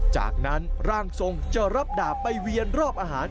จากนั้นร่างทรงจะรับดาบไปเวียนรอบอาหาร